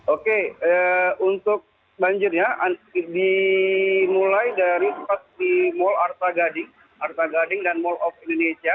oke untuk banjirnya dimulai dari mal arta gading dan mall of indonesia